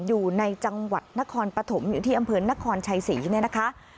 อยู่ในจังหวัดนครปฐมอยู่ที่อำเภอนครชัยศรีเนี่ยนะคะ